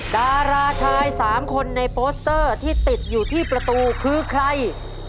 ดาราชาย๓คนในโปสเตอร์ที่ติดอยู่ที่ประตูคือใคร